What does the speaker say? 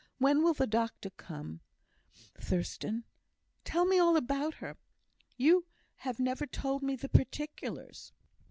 When will the doctor come, Thurstan? Tell me all about her; you have never told me the particulars."